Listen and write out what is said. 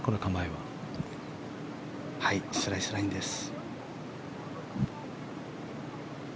はいスライスラインです。